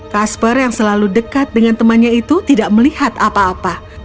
kasper yang selalu dekat dengan temannya itu tidak melihat apa apa